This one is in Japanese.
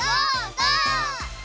ゴー！